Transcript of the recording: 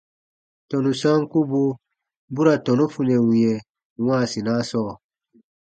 Tɔnu sankubu bu ra tɔnu funɛ wĩɛ wãasinaa sɔɔ.